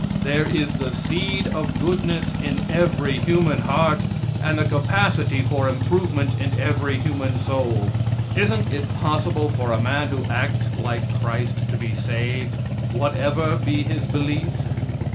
There is the seed of goodness in every human heart and the capacity for improvement in every human soul. Isn't it possible for a man who acts like Christ to be saved, whatever be his belief?